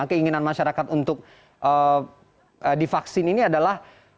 keinginan masyarakat untuk divaksin ini adalah